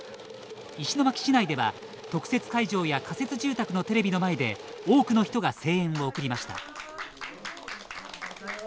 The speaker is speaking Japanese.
石巻市内では特設会場や仮設住宅のテレビの前で多くの人が声援を送りました。